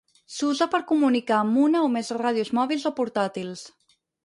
S'usa per comunicar amb una o més ràdios mòbils o portàtils.